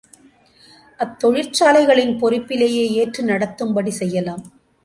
அத்தொழிற்சாலைகளின் பொறுப்பிலேயே ஏற்று நடத்தும்படி செய்யலாம்.